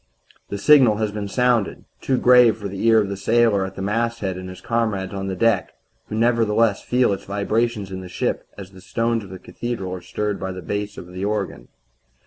The signal has been sounded too grave for the ear of the sailor at the masthead and his comrades on the deck who nevertheless feel its vibrations in the ship as the stones of a cathedral are stirred by the bass of the organ.